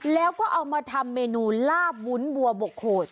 แล้วก็เอามาทำเมนูลาบวุ้นบัวบกโขด